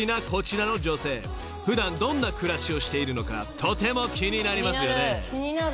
［普段どんな暮らしをしているのかとても気になりますよね］